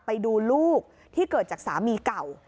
ไปดูลูกที่เกิดจากสามีเก่า